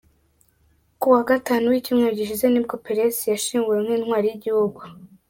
Kuwa Gatanu w’icyumweru gishize nibwo Peres yashyinguwe nk’intwari y’igihugu.